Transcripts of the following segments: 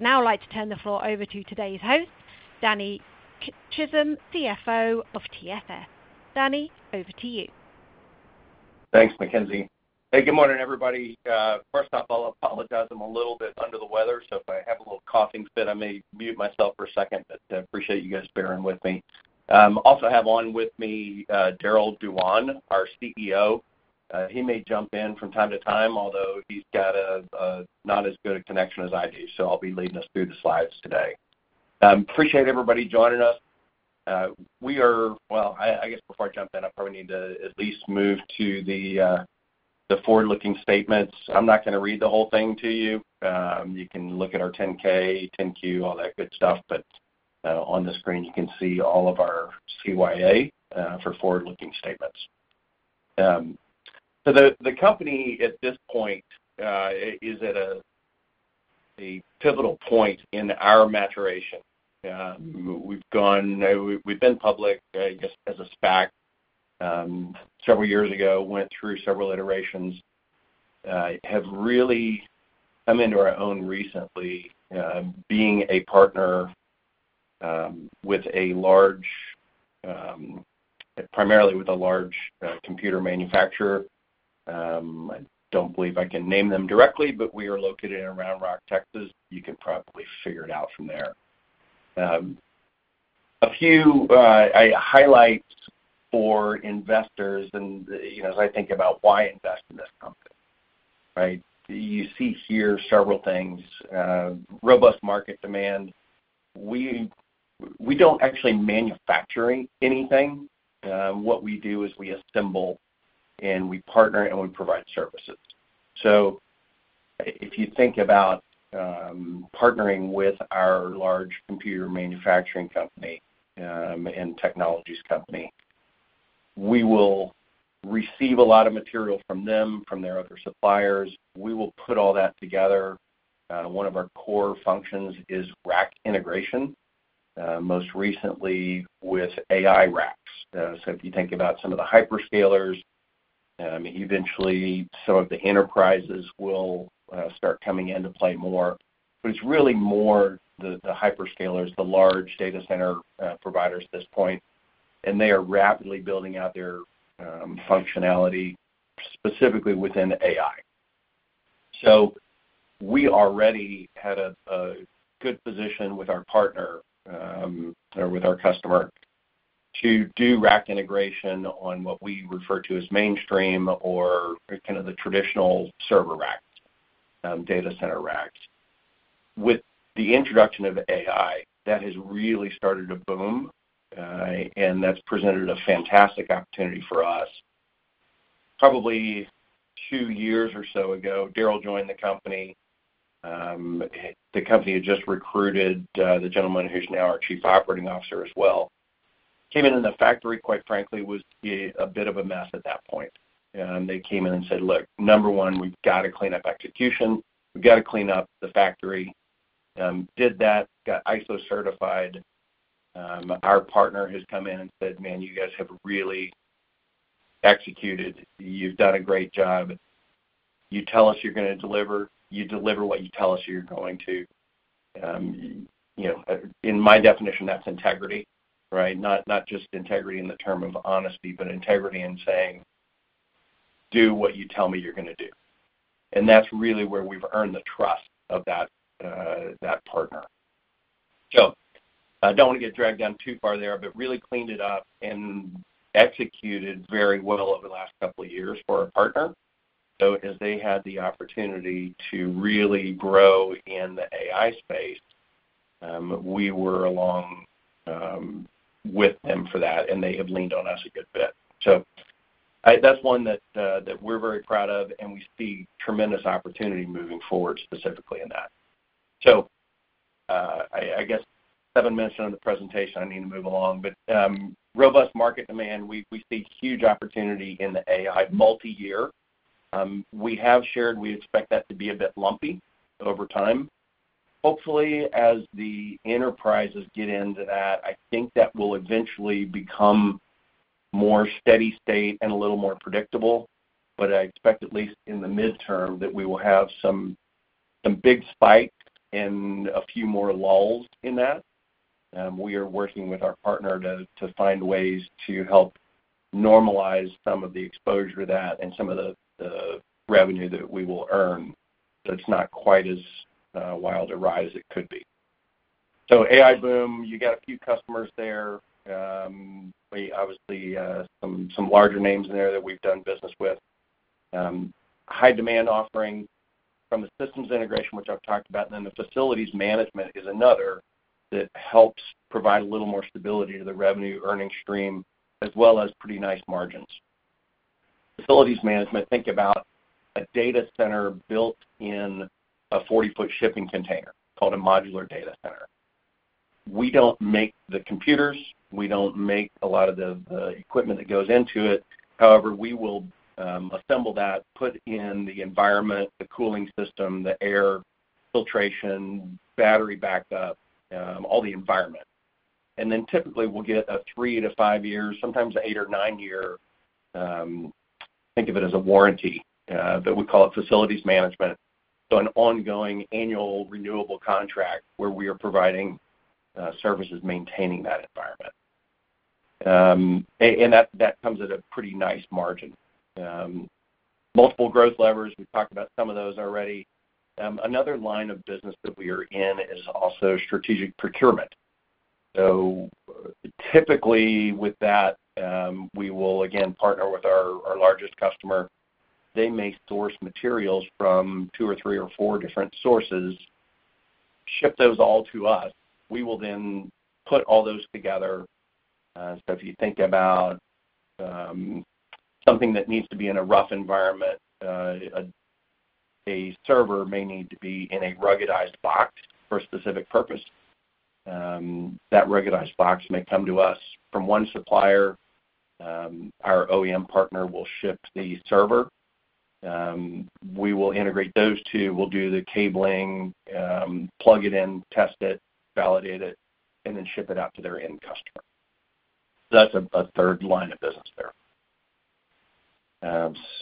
I'd now like to turn the floor over to today's host, Danny Chism, CFO of TSS. Danny, over to you. Thanks, Mackenzie. Hey, good morning, everybody. First off, I'll apologize. I'm a little bit under the weather, so if I have a little coughing fit, I may mute myself for a second, but I appreciate you guys bearing with me. Also I have on with me, Darryll Dewan, our CEO. He may jump in from time to time, although he's got a not as good connection as I do, so I'll be leading us through the slides today. Appreciate everybody joining us. Well, I guess before I jump in, I probably need to at least move to the forward-looking statements. I'm not gonna read the whole thing to you. You can look at our 10-K, 10-Q, all that good stuff, but on the screen, you can see all of our CYA for forward-looking statements. So the company at this point is at a pivotal point in our maturation. We've been public just as a SPAC several years ago, went through several iterations, have really come into our own recently, being a partner, primarily with a large computer manufacturer. I don't believe I can name them directly, but we are located in Round Rock, Texas. You can probably figure it out from there. A few highlights for investors and, you know, as I think about why invest in this company, right? You see here several things, robust market demand. We, we don't actually manufacturing anything. What we do is we assemble, and we partner, and we provide services. So if you think about partnering with our large computer manufacturing company, and technologies company, we will receive a lot of material from them, from their other suppliers. We will put all that together. One of our core functions is rack integration, most recently with AI racks. So if you think about some of the hyperscalers, eventually some of the enterprises will start coming into play more, but it's really more the hyperscalers, the large data center providers at this point, and they are rapidly building out their functionality, specifically within AI. So we are ready had a good position with our partner or with our customer to do rack integration on what we refer to as mainstream or kind of the traditional server racks, data center racks. With the introduction of AI, that has really started to boom and that's presented a fantastic opportunity for us. Probably two years or so ago, Daryl joined the company. The company had just recruited the gentleman who's now our Chief Operating Officer as well. Came into the factory, quite frankly, was a bit of a mess at that point. And they came in and said, "Look, number one, we've got to clean up execution. We've got to clean up the factory." Did that, got ISO certified. Our partner has come in and said, "Man, you guys have really executed. You've done a great job. You tell us you're gonna deliver, you deliver what you tell us you're going to." You know, in my definition, that's integrity, right? Not, not just integrity in the term of honesty, but integrity in saying, "Do what you tell me you're gonna do." And that's really where we've earned the trust of that, that partner. So I don't want to get dragged down too far there, but really cleaned it up and executed very well over the last couple of years for our partner. So as they had the opportunity to really grow in the AI space, we were along, with them for that, and they have leaned on us a good bit. So that's one that, that we're very proud of, and we see tremendous opportunity moving forward, specifically in that. So, I guess seven minutes into the presentation, I need to move along. But robust market demand, we see huge opportunity in the AI, multiyear. We have shared we expect that to be a bit lumpy over time. Hopefully, as the enterprises get into that, I think that will eventually become more steady state and a little more predictable, but I expect, at least in the midterm, that we will have some big spikes and a few more lulls in that. We are working with our partner to find ways to help normalize some of the exposure to that and some of the revenue that we will earn, that's not quite as wild a ride as it could be. So AI boom, you got a few customers there. We obviously some larger names in there that we've done business with. High demand offering from a systems integration, which I've talked about, and then the facilities management is another that helps provide a little more stability to the revenue earning stream, as well as pretty nice margins. Facilities management, think about a data center built in a 40-foot shipping container called a modular data center. We don't make the computers. We don't make a lot of the equipment that goes into it. However, we will assemble that, put in the environment, the cooling system, the air filtration, battery backup, all the environment... and then typically, we'll get a three to five years, sometimes eight or nine year, think of it as a warranty, but we call it facilities management. So an ongoing annual renewable contract where we are providing services, maintaining that environment. And that comes at a pretty nice margin. Multiple growth levers, we've talked about some of those already. Another line of business that we are in is also strategic procurement. So typically, with that, we will again partner with our largest customer. They may source materials from two or three or four different sources, ship those all to us. We will then put all those together. So if you think about something that needs to be in a rugged environment, a server may need to be in a ruggedized box for a specific purpose. That ruggedized box may come to us from one supplier, our OEM partner will ship the server. We will integrate those two. We'll do the cabling, plug it in, test it, validate it, and then ship it out to their end customer, so that's a third line of business there,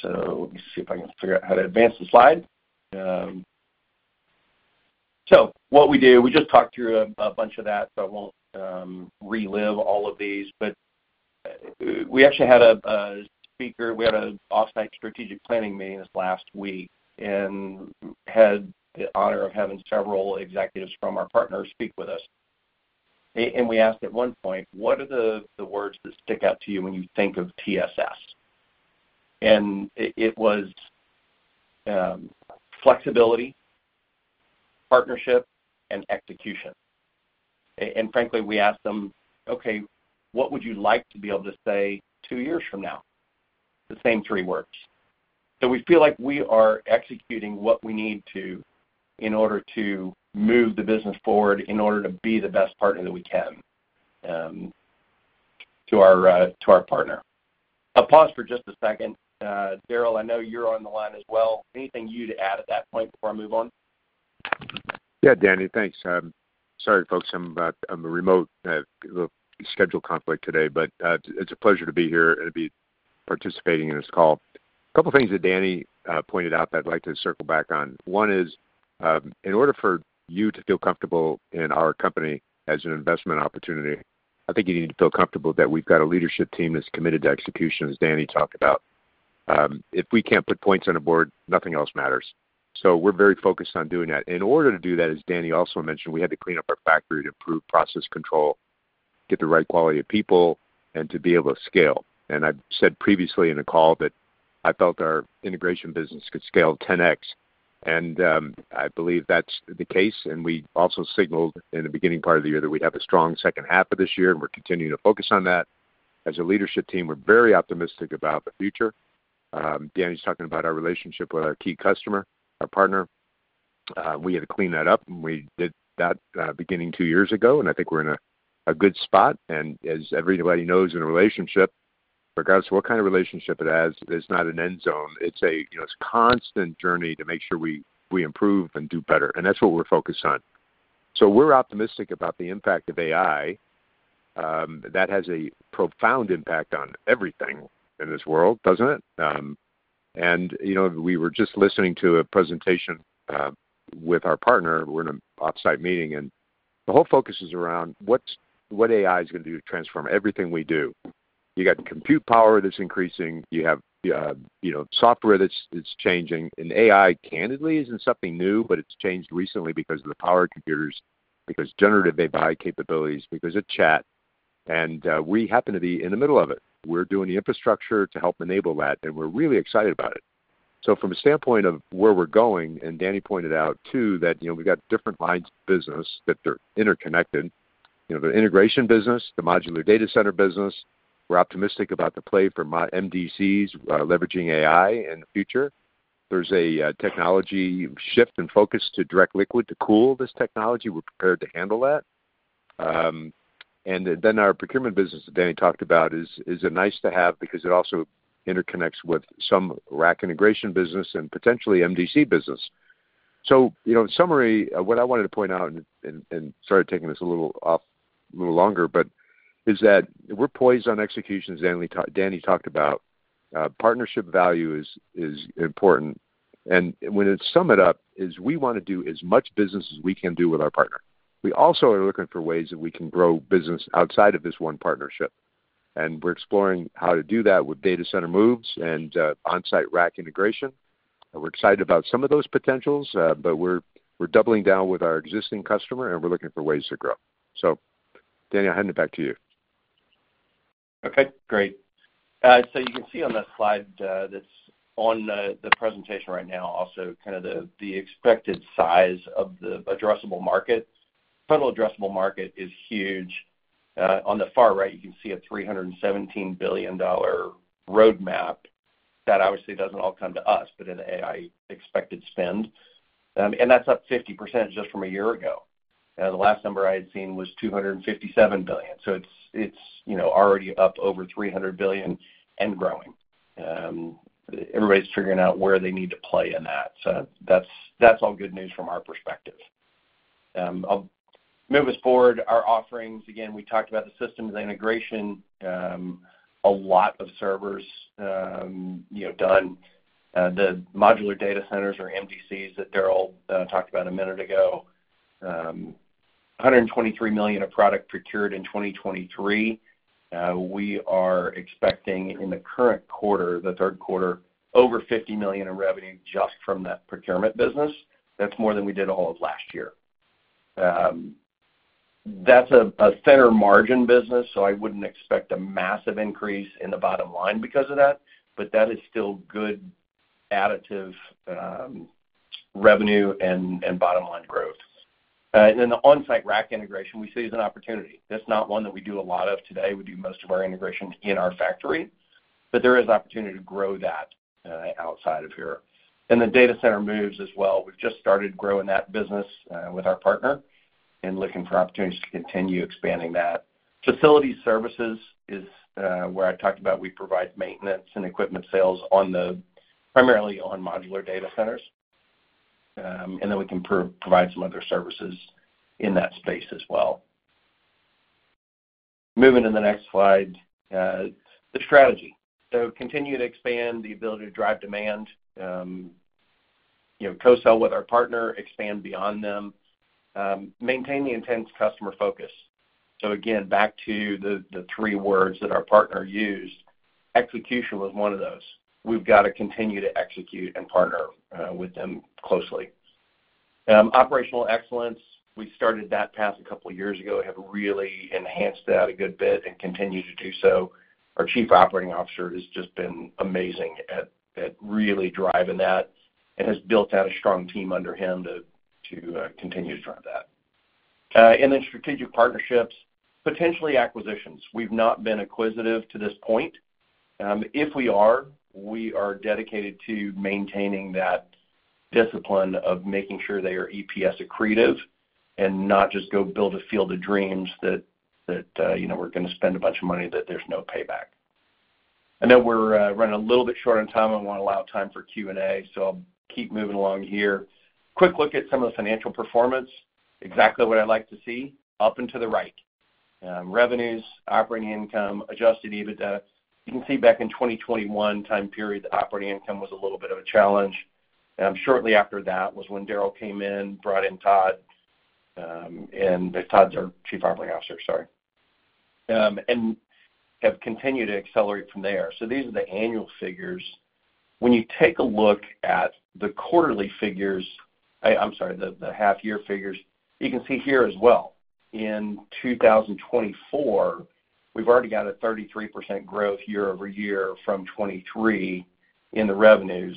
so let me see if I can figure out how to advance the slide, so what we do, we just talked through a bunch of that, so I won't relive all of these, but we actually had a speaker. We had an off-site strategic planning meeting this last week, and had the honor of having several executives from our partners speak with us, and we asked at one point: What are the words that stick out to you when you think of TSS? And it was flexibility, partnership, and execution. Frankly, we asked them, "Okay, what would you like to be able to say two years from now?" The same three words. We feel like we are executing what we need to in order to move the business forward, in order to be the best partner that we can to our partner. I'll pause for just a second. Daryl, I know you're on the line as well. Anything you'd add at that point before I move on? Yeah, Danny, thanks. Sorry, folks, I'm a remote little schedule conflict today, but it's a pleasure to be here and to be participating in this call. A couple of things that Danny pointed out that I'd like to circle back on. One is, in order for you to feel comfortable in our company as an investment opportunity, I think you need to feel comfortable that we've got a leadership team that's committed to execution, as Danny talked about. If we can't put points on a board, nothing else matters, so we're very focused on doing that. In order to do that, as Danny also mentioned, we had to clean up our factory to improve process control, get the right quality of people, and to be able to scale. I've said previously in a call that I felt our integration business could scale ten X, and I believe that's the case. We also signaled in the beginning part of the year that we'd have a strong second half of this year, and we're continuing to focus on that. As a leadership team, we're very optimistic about the future. Danny's talking about our relationship with our key customer, our partner. We had to clean that up, and we did that beginning two years ago, and I think we're in a good spot. As everybody knows, in a relationship, regardless of what kind of relationship it has, there's not an end zone. It's, you know, a constant journey to make sure we improve and do better, and that's what we're focused on. We're optimistic about the impact of AI. That has a profound impact on everything in this world, doesn't it? And, you know, we were just listening to a presentation with our partner. We're in an off-site meeting, and the whole focus is around what AI is going to do to transform everything we do. You got compute power that's increasing, you have you know, software that's changing, and AI, candidly, isn't something new, but it's changed recently because of the power of computers, because generative AI capabilities, because of chat, and we happen to be in the middle of it. We're doing the infrastructure to help enable that, and we're really excited about it. So from a standpoint of where we're going, and Danny pointed out, too, that, you know, we've got different lines of business that they're interconnected. You know, the integration business, the modular data center business. We're optimistic about the play for MDCs, leveraging AI in the future. There's a technology shift and focus to direct liquid cooling this technology. We're prepared to handle that. Then our procurement business that Danny talked about is a nice to have because it also interconnects with some rack integration business and potentially MDC business. So, you know, in summary, what I wanted to point out, and sorry, taking this a little longer, but is that we're poised on execution, as Danny talked about. Partnership value is important, and to sum it up, is we want to do as much business as we can do with our partner. We also are looking for ways that we can grow business outside of this one partnership, and we're exploring how to do that with data center moves and on-site rack integration, and we're excited about some of those potentials, but we're doubling down with our existing customer, and we're looking for ways to grow, so Danny, I'll hand it back to you. Okay, great. So you can see on the slide, that's on the presentation right now, also kind of the expected size of the addressable market. Total addressable market is huge. On the far right, you can see a $317 billion roadmap. That obviously doesn't all come to us, but in AI expected spend. And that's up 50% just from a year ago. The last number I had seen was $257 billion, so it's, you know, already up over $300 billion and growing. Everybody's figuring out where they need to play in that. So that's all good news from our perspective. I'll move us forward. Our offerings, again, we talked about the systems integration, a lot of servers, you know, done. The modular data centers, or MDCs, that Daryl talked about a minute ago, $123 million of product procured in 2023. We are expecting in the current quarter, the Q3, over $50 million in revenue just from that procurement business. That's more than we did all of last year. That's a thinner margin business, so I wouldn't expect a massive increase in the bottom line because of that, but that is still good additive revenue and bottom line growth. And then the on-site rack integration we see as an opportunity. That's not one that we do a lot of today. We do most of our integration in our factory, but there is opportunity to grow that outside of here. And the data center moves as well. We've just started growing that business with our partner and looking for opportunities to continue expanding that. Facility services is where I talked about we provide maintenance and equipment sales primarily on modular data centers, and then we can provide some other services in that space as well. Moving to the next slide, the strategy. So continue to expand the ability to drive demand, you know, co-sell with our partner, expand beyond them, maintain the intense customer focus. So again, back to the three words that our partner used, execution was one of those. We've got to continue to execute and partner with them closely. Operational excellence, we started that path a couple years ago, have really enhanced that a good bit and continue to do so. Our Chief Operating Officer has just been amazing at really driving that and has built out a strong team under him to continue to drive that, and then strategic partnerships, potentially acquisitions. We've not been acquisitive to this point. If we are, we are dedicated to maintaining that discipline of making sure they are EPS accretive, and not just go build a field of dreams that, you know, we're gonna spend a bunch of money, that there's no payback. I know we're running a little bit short on time. I want to allow time for Q&A, so I'll keep moving along here. Quick look at some of the financial performance. Exactly what I'd like to see, up and to the right. Revenues, Operating Income, Adjusted EBITDA. You can see back in 2021 time period, the operating income was a little bit of a challenge. Shortly after that was when Daryl came in, brought in Todd, and Todd's our Chief Operating Officer, sorry. And have continued to accelerate from there. So these are the annual figures. When you take a look at the quarterly figures, I'm sorry, the half year figures, you can see here as well, in 2024, we've already got a 33% growth year-over-year from 2023 in the revenues,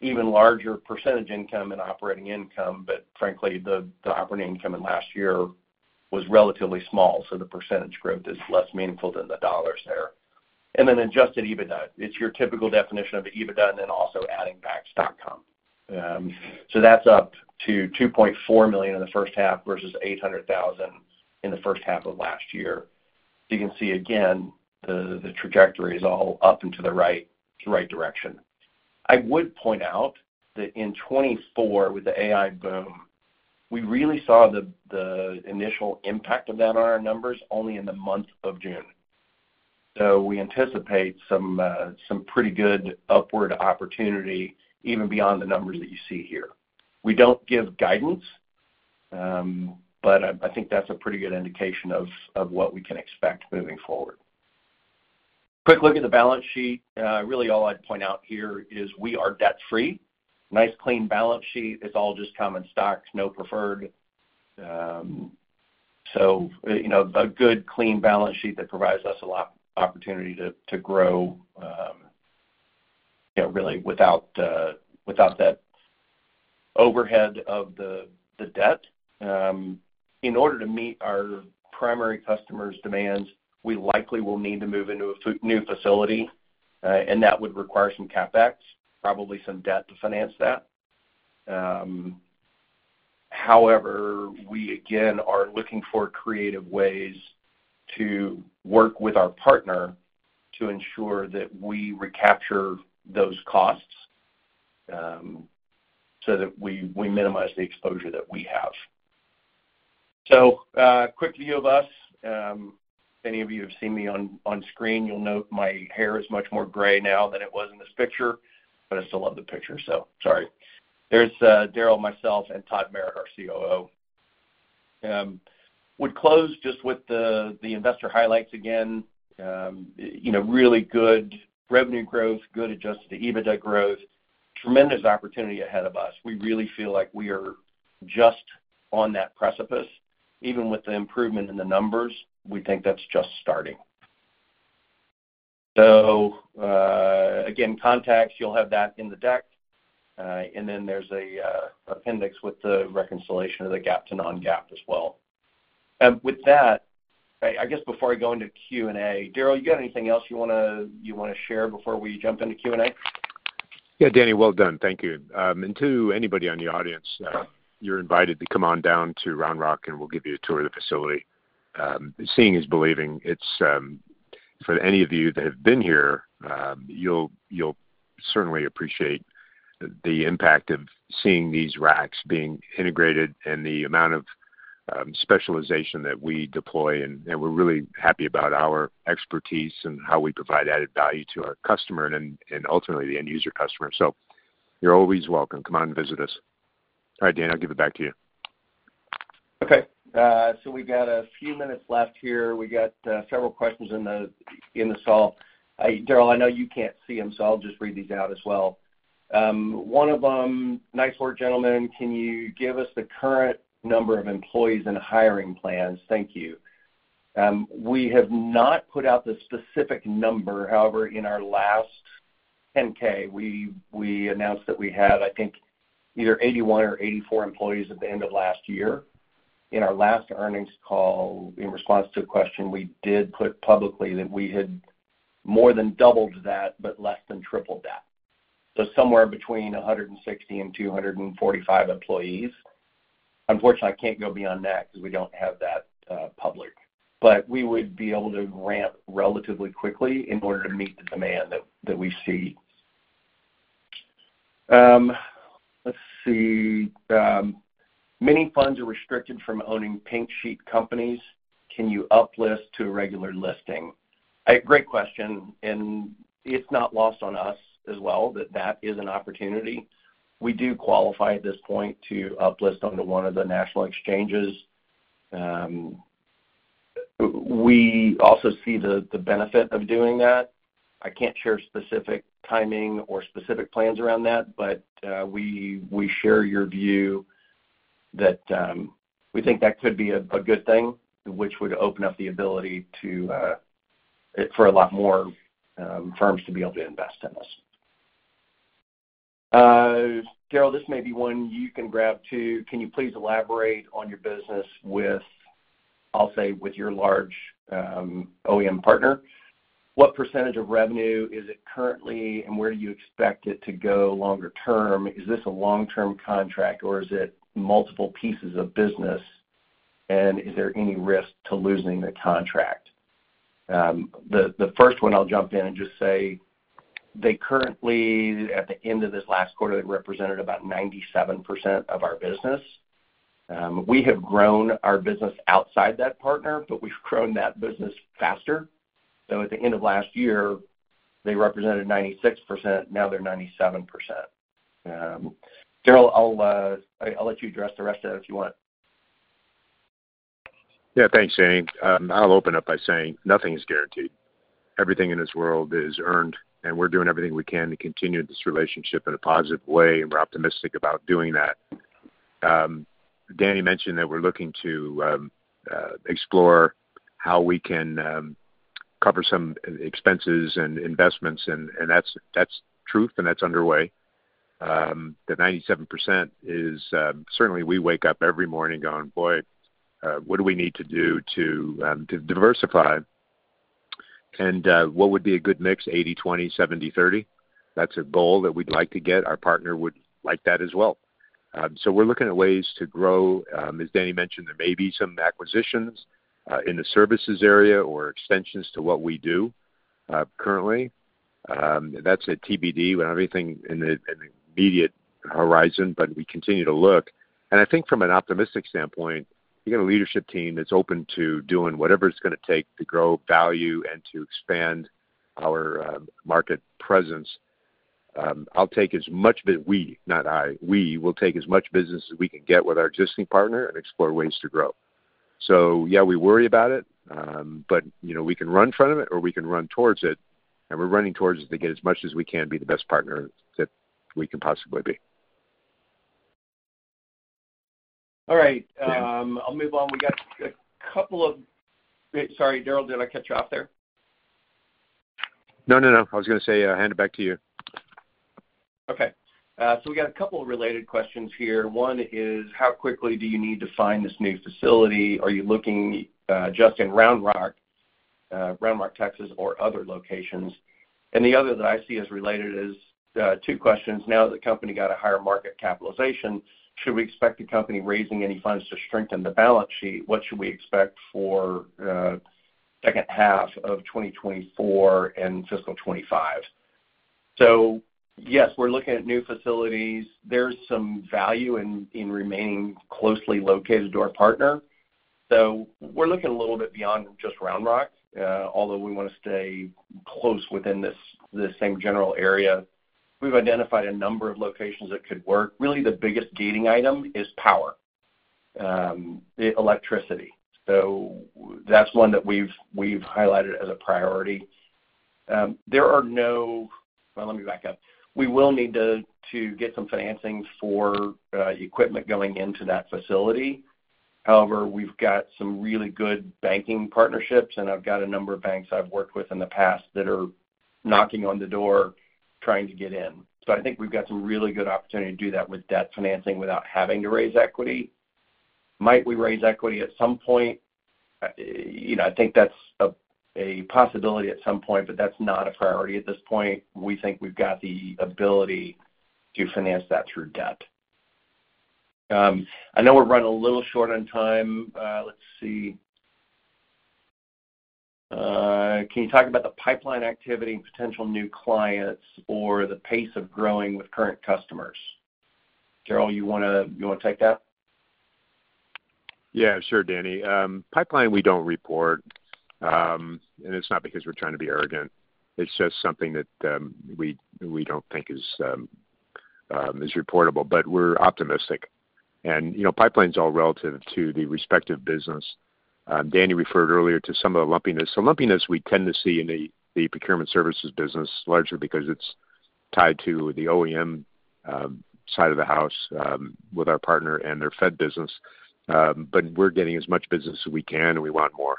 even larger percentage income and operating income, but frankly, the operating income in last year was relatively small, so the percentage growth is less meaningful than the dollars there. And then adjusted EBITDA, it's your typical definition of EBITDA and then also adding back stock comp. So that's up to $2.4 million in the first half, versus $800,000 in the first half of last year. You can see again, the trajectory is all up and to the right, the right direction. I would point out that in 2024, with the AI boom, we really saw the initial impact of that on our numbers only in the month of June. So we anticipate some pretty good upward opportunity even beyond the numbers that you see here. We don't give guidance, but I think that's a pretty good indication of what we can expect moving forward. Quick look at the balance sheet. Really, all I'd point out here is we are debt-free. Nice, clean balance sheet. It's all just common stocks, no preferred. So, you know, a good, clean balance sheet that provides us a lot opportunity to grow, you know, really without that overhead of the debt. In order to meet our primary customers' demands, we likely will need to move into a new facility, and that would require some CapEx, probably some debt to finance that. However, we again are looking for creative ways to work with our partner to ensure that we recapture those costs, so that we minimize the exposure that we have. So, quick view of us. If any of you have seen me on screen, you'll note my hair is much more gray now than it was in this picture, but I still love the picture, so sorry. There's Daryl, myself, and Todd Merritt, our COO. I would close just with the investor highlights again. You know, really good revenue growth, good adjusted EBITDA growth, tremendous opportunity ahead of us. We really feel like we are just on that precipice. Even with the improvement in the numbers, we think that's just starting. So, again, contacts, you'll have that in the deck. And then there's an appendix with the reconciliation of the GAAP to non-GAAP as well. And with that, I guess before I go into Q&A, Daryl, you got anything else you wanna share before we jump into Q&A? Yeah, Danny, well done. Thank you. And to anybody in the audience, you're invited to come on down to Round Rock, and we'll give you a tour of the facility. Seeing is believing. It's for any of you that have been here, you'll certainly appreciate the impact of seeing these racks being integrated and the amount of specialization that we deploy, and ultimately, the end user customer. So you're always welcome. Come on and visit us. All right, Dan, I'll give it back to you. Okay, so we've got a few minutes left here. We got several questions in the chat. Daryl, I know you can't see them, so I'll just read these out as well. One of them: Nice work, gentlemen. Can you give us the current number of employees and hiring plans? Thank you. We have not put out the specific number. However, in our last 10-K, we announced that we had, I think, either 81 or 84 employees at the end of last year. In our last earnings call, in response to a question, we did put publicly that we had more than doubled that, but less than tripled that. So somewhere between a 116 and 245 employees. Unfortunately, I can't go beyond that because we don't have that public. But we would be able to ramp relatively quickly in order to meet the demand that we see. Let's see, many funds are restricted from owning Pink Sheet companies. Can you uplist to a regular listing? A great question, and it's not lost on us as well, that that is an opportunity. We do qualify at this point to uplist onto one of the national exchanges. We also see the benefit of doing that. I can't share specific timing or specific plans around that, but we share your view that we think that could be a good thing, which would open up the ability to for a lot more firms to be able to invest in this. Daryl, this may be one you can grab, too. Can you please elaborate on your business with, I'll say, with your large, OEM partner? What percentage of revenue is it currently, and where do you expect it to go longer term? Is this a long-term contract, or is it multiple pieces of business, and is there any risk to losing the contract? The first one, I'll jump in and just say they currently, at the end of this last quarter, represented about 97% of our business. We have grown our business outside that partner, but we've grown that business faster. So at the end of last year, they represented 96%, now they're 97%. Daryl, I'll let you address the rest of it if you want. Yeah. Thanks, Danny. I'll open up by saying nothing is guaranteed. Everything in this world is earned, and we're doing everything we can to continue this relationship in a positive way, and we're optimistic about doing that. Danny mentioned that we're looking to explore how we can cover some expenses and investments, and that's truth, and that's underway. The 97% is certainly we wake up every morning going, "Boy, what do we need to do to diversify? And what would be a good mix? 80/70, 70/30?" That's a goal that we'd like to get. Our partner would like that as well. So we're looking at ways to grow. As Danny mentioned, there may be some acquisitions in the services area or extensions to what we do currently. That's a TBD. We don't have anything in the immediate horizon, but we continue to look, and I think from an optimistic standpoint, you got a leadership team that's open to doing whatever it's gonna take to grow value and to expand our market presence. I'll take as much as. We, not I, we will take as much business as we can get with our existing partner and explore ways to grow, so yeah, we worry about it, but you know, we can run from it or we can run towards it, and we're running towards it to get as much as we can, be the best partner that we can possibly be. All right. I'll move on. We got a couple of... Sorry, Daryl, did I cut you off there? No, no, no. I was gonna say, hand it back to you. Okay, so we got a couple of related questions here. One is, how quickly do you need to find this new facility? Are you looking just in Round Rock, Texas, or other locations? And the other that I see as related is two questions. Now that the company got a higher market capitalization, should we expect the company raising any funds to strengthen the balance sheet? What should we expect for H2 of 2024 and fiscal 2025? Yes, we're looking at new facilities. There's some value in remaining closely located to our partner, so we're looking a little bit beyond just Round Rock, although we want to stay close within this same general area. We've identified a number of locations that could work. Really, the biggest gating item is power, electricity. So that's one that we've highlighted as a priority. Well, let me back up. We will need to get some financing for equipment going into that facility. However, we've got some really good banking partnerships, and I've got a number of banks I've worked with in the past that are knocking on the door, trying to get in. So I think we've got some really good opportunity to do that with debt financing without having to raise equity. Might we raise equity at some point? You know, I think that's a possibility at some point, but that's not a priority at this point. We think we've got the ability to finance that through debt. I know we're running a little short on time. Let's see. Can you talk about the pipeline activity and potential new clients or the pace of growing with current customers? Daryl, you wanna take that? Yeah, sure, Danny. Pipeline, we don't report, and it's not because we're trying to be arrogant. It's just something that we don't think is reportable, but we're optimistic. You know, pipeline's all relative to the respective business. Danny referred earlier to some of the lumpiness. Lumpiness, we tend to see in the procurement services business, largely because it's tied to the OEM side of the house with our partner and their Fed business. We're getting as much business as we can, and we want more.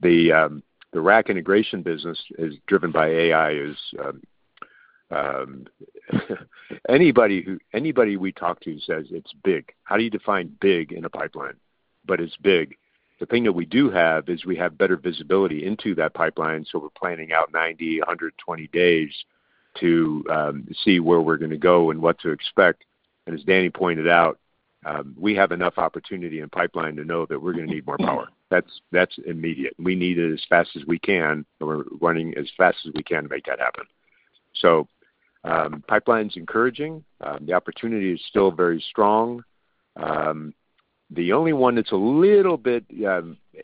The rack integration business is driven by AI. Anybody we talk to says it's big. How do you define big in a pipeline? But it's big. The thing that we do have is we have better visibility into that pipeline, so we're planning out 90, 100 and 120 days to see where we're gonna go and what to expect. As Danny pointed out, we have enough opportunity in pipeline to know that we're gonna need more power. That's, that's immediate. We need it as fast as we can, and we're running as fast as we can to make that happen. Pipeline's encouraging. The opportunity is still very strong. The only one that's a little bit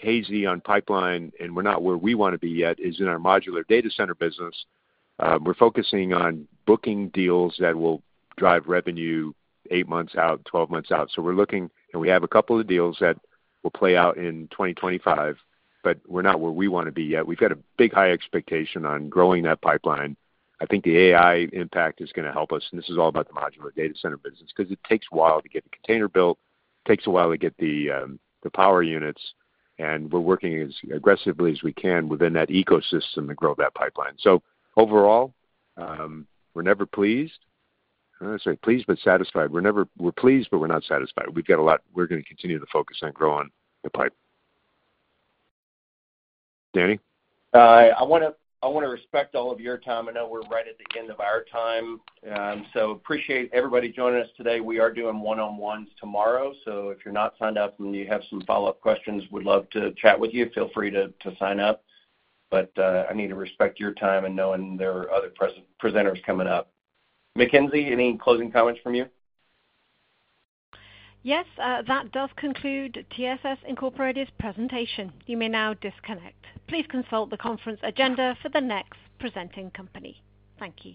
hazy on pipeline, and we're not where we wanna be yet, is in our modular data center business. We're focusing on booking deals that will drive revenue 8 months out, 12 months out, so we're looking... And we have a couple of deals that will play out in twenty twenty-five, but we're not where we wanna be yet. We've got a big high expectation on growing that pipeline. I think the AI impact is gonna help us, and this is all about the modular data center business, 'cause it takes a while to get the container built, takes a while to get the power units, and we're working as aggressively as we can within that ecosystem to grow that pipeline. So overall, we're never pleased. I say pleased, but satisfied. We're never. We're pleased, but we're not satisfied. We've got a lot. We're gonna continue to focus on growing the pipe. Danny? I wanna respect all of your time. I know we're right at the end of our time. So appreciate everybody joining us today. We are doing one-on-ones tomorrow, so if you're not signed up and you have some follow-up questions, we'd love to chat with you. Feel free to sign up. But I need to respect your time and knowing there are other presenters coming up. Mackenzie, any closing comments from you? Yes, that does conclude TSS Incorporated's presentation. You may now disconnect. Please consult the conference agenda for the next presenting company. Thank you.